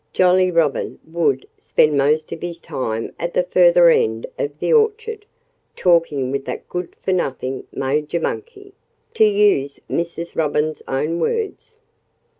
Jolly Robin would spend most of his time at the further end of the orchard, talking with "that good for nothing Major Monkey," to use Mrs. Robin's own words.